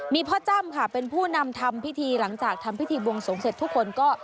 มีพ่อจ้ำค่ะเป็นผู้นำทำพิธีหลังจากทำพิธีบวงสวงเสร็จทุกคนก็